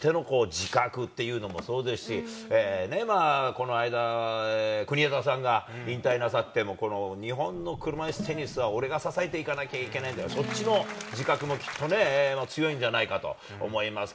プロとしての自覚というのもそうですし、この間、国枝さんが引退しても日本の車いすテニスは俺が支えていかなきゃいけないんだ、そっちの自覚も強いんじゃないかと思います。